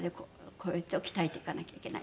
こいつを鍛えていかなきゃいけない。